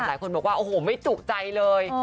หลายคนบอกว่าโอ้โหไม่จุใจเลย